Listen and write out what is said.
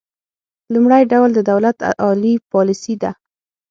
لومړی ډول د دولت عالي پالیسي ده